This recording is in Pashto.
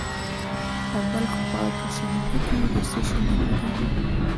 د بلخ په کشنده کې د څه شي نښې دي؟